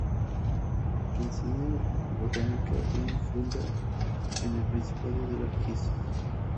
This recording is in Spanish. Enseña botánica en Fulda, en el principado de la Hesse.